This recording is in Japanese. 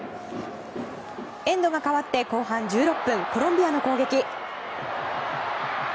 エンドが変わって後半１６分コロンビアの攻撃。